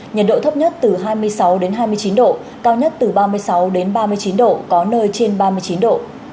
nhiệt độ thấp nhất từ hai mươi sáu hai mươi chín độ cao nhất từ ba mươi sáu ba mươi chín độ có nơi trên ba mươi chín độ